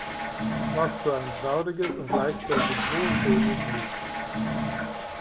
Was für ein trauriges und gleichzeitig so schönes Lied!